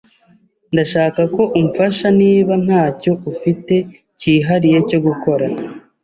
Ndashaka ko umfasha niba ntacyo ufite cyihariye cyo gukora.